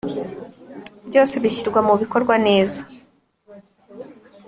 Byose bishyirwa mu bikorwa neza